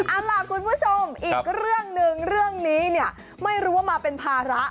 เอาล่ะคุณผู้ชมอีกเรื่องหนึ่งเรื่องนี้เนี่ยไม่รู้ว่ามาเป็นภาระ